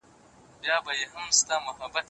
په لاس لیکلنه د ښو اړیکو د ساتلو لاره ده.